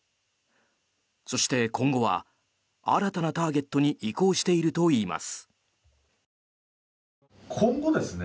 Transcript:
そして、今後は新たなターゲットに移行しているといいます。